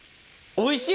おいしい！